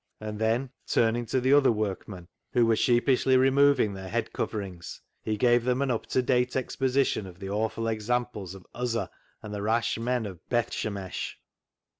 " and then turning to the other workmen, who were sheepishly removing their head coverings, he gave them an up to date exposition of the awful examples of Uzzah and the rash men of Bethshemesh.